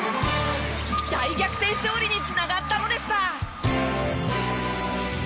大逆転勝利に繋がったのでした。